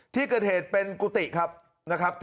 ที่เกิดเหตุเป็นกุฏิครับนะครับ